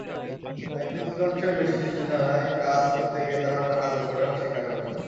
এক-চতুর্থাংশের বেশি শিশু জানায়, কাজ করতে গিয়ে তারা নানা দুর্ঘটনার শিকার হয়েছে।